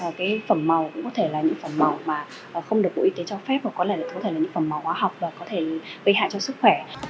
hoặc có thể là những phẩm màu hóa học và có thể gây hại cho sức khỏe